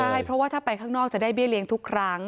ใช่เพราะว่าถ้าไปข้างนอกจะได้เบี้เลี้ยงทุกครั้ง